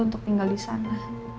untuk tinggal di sana